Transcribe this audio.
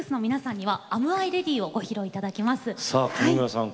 さあ上村さん